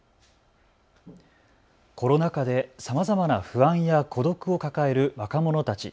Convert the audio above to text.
コロナ禍でさまざまな不安や孤独を抱える若者たち。